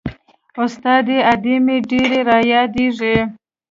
استاده ادې مې ډېره رايادېږي.